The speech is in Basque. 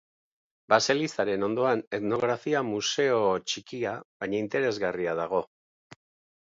Baselizaren ondoan etnografia museo txiki baina interesgarria dago.